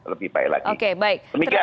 lebih baik lagi